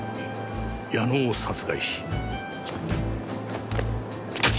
矢野を殺害し。